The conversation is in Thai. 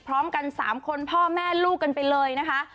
พร้อมกัน๓คนพ่อแม่ลูกกันไปเลยนะคะ